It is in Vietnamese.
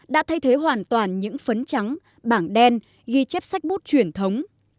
đã thay thế hoàn toàn những phấn trắng bảng đen ghi chép sách bút truyền thống